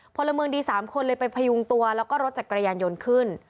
พลเมืองดี๓คนเลยไปพยุงตัวแล้วก็รถจักรยานยนต์ขึ้น